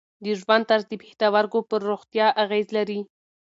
د ژوند طرز د پښتورګو پر روغتیا اغېز لري.